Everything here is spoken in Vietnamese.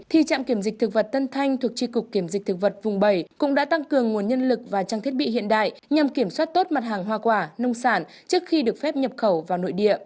thì trạm kiểm dịch thực vật tân thanh thuộc tri cục kiểm dịch thực vật vùng bảy cũng đã tăng cường nguồn nhân lực và trang thiết bị hiện đại nhằm kiểm soát tốt mặt hàng hoa quả nông sản trước khi được phép nhập khẩu vào nội địa